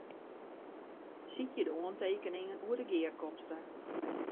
Sykje de oantekeningen oer de gearkomste.